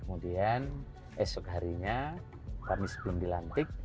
kemudian esok harinya kami sebelum dilantik